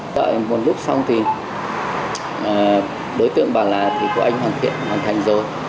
đợi một lúc xong thì đối tượng bảo là thì của anh hoàn thiện hoàn thành rồi